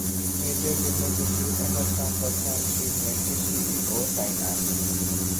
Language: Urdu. major general Zaheer Ahmed Khan Pakistan steel کے سی ای او تعینات